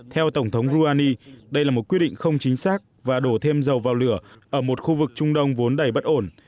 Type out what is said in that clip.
theo tổng thống rouhani đây là một quyết định không chính xác và đổ thêm dầu vào lửa ở một khu vực trung đông vốn đầy bất ổn